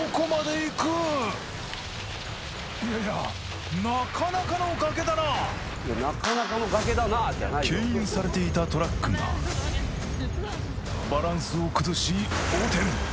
いやいやなかなかの崖だな牽引されていたトラックがバランスを崩し横転